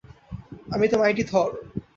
আমি তো মাইটি থর।